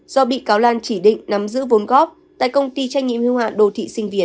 do bị cáo lan chỉ định nắm giữ vốn góp tại công ty trách nhiệm hưu hạn đồ thị sinh việt